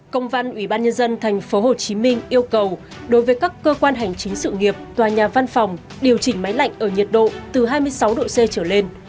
công văn ủy ban nhân dân tp hcm yêu cầu đối với các cơ quan hành chính sự nghiệp tòa nhà văn phòng điều chỉnh máy lạnh ở nhiệt độ từ hai mươi sáu độ c trở lên